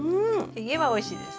ひげはおいしいです。